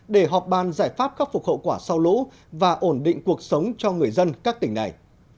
để họp bàn giải pháp khắc phục hậu quả sau lũ và ổn định cuộc sống cho người dân các tỉnh này